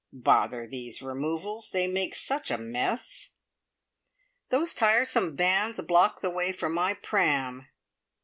"Bother these removals. They make such a mess!" "Those tiresome vans block the way for my pram!"